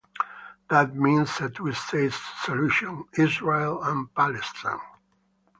That means a two-state solution: Israel and Palestine.